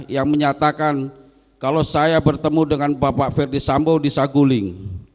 yang menyatakan kalau saya bertemu dengan bapak ferdis sambo di saguling